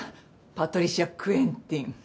パトリシア・クエンティン。